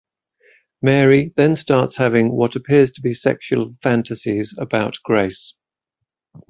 Mary then starts having what appears to be sexual fantasies about Grace.